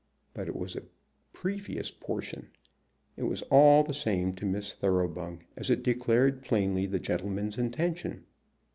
But it was a previous portion. It was all the same to Miss Thoroughbung, as it declared plainly the gentleman's intention.